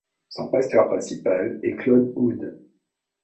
Son pasteur principal est Claude Houde.